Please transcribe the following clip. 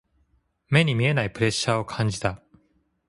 目に見えないプレッシャーを感じた。